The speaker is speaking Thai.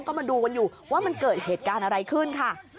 ก็มาดูกันอยู่ว่ามันเกิดเหตุการณ์อะไรขึ้นค่ะ